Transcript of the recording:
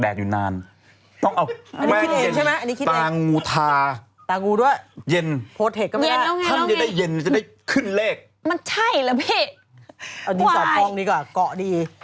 เอาจริงสอบฮ่องดีกว่าเกาะดี